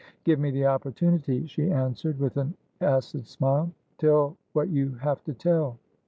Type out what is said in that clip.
"Give me the opportunity," she answered, with an acid smile. "Tell what you have to tell."